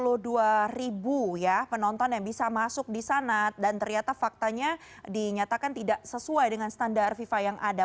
ada dua ribu ya penonton yang bisa masuk di sana dan ternyata faktanya dinyatakan tidak sesuai dengan standar fifa yang ada